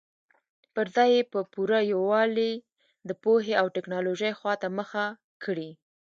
پر ځای یې په پوره یووالي د پوهې او ټکنالوژۍ خواته مخه کړې.